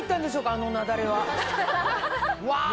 あの雪崩は。うわ！